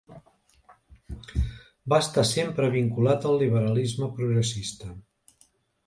Va estar sempre vinculat al liberalisme progressista.